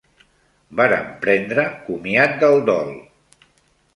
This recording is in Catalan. Vàrem prendre comiat del dol